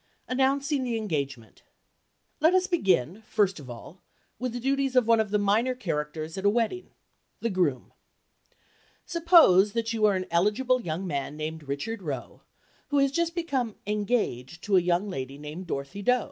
ANNOUNCING THE ENGAGEMENT Let us begin, first of all, with the duties of one of the minor characters at a wedding—the Groom. Suppose that you are an eligible young man named Richard Roe, who has just become "engaged" to a young lady named Dorothy Doe.